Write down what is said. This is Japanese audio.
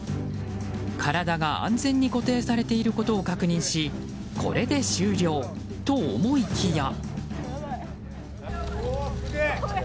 体が安全に固定されていることを確認しこれで終了と思いきや。